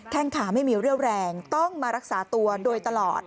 งขาไม่มีเรี่ยวแรงต้องมารักษาตัวโดยตลอด